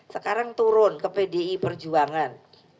sekarang turun ke pdi perjuangan